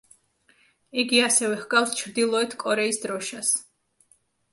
იგი ასევე ჰგავს ჩრდილოეთ კორეის დროშას.